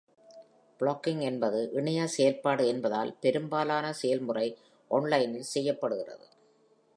blogging என்பது ஒரு இணைய செயல்பாடு என்பதால், பெரும்பாலான செயல்முறை ஆன்லைனில் செய்யப்படுகிறது.